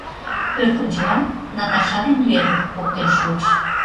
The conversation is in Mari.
Пӧртӧнчылан Наташа ден Ленук поктен шуыч...